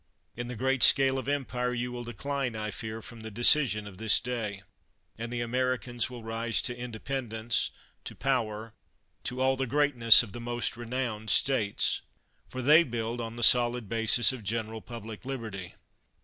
In the great scale of empire, you will decline, I fear, from the decision of this day ; and the Americans will rise to independence, to power, to all the greatness of the most renowned states ! For they build on the solid basis of general public liberty.